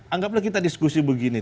anggaplah kita diskusi begini